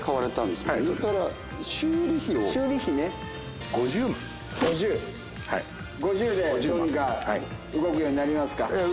５０でどうにか動くようになりますか？